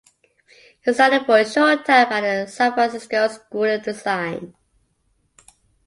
He studied for a short time at the San Francisco School of Design.